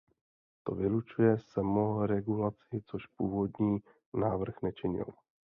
To vylučuje samoregulaci, což původní návrh nečinil.